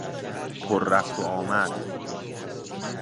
پررفت وآمد